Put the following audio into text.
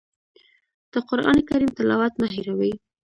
د قرآن کریم تلاوت مه هېروئ.